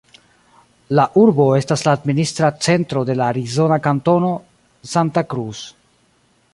La urbo estas la administra centro de la arizona kantono "Santa Cruz".